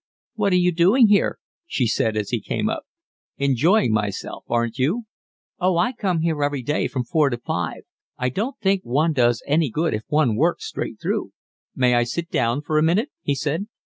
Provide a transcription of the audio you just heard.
"What are you doing here?" she said, as he came up. "Enjoying myself. Aren't you?" "Oh, I come here every day from four to five. I don't think one does any good if one works straight through." "May I sit down for a minute?" he said.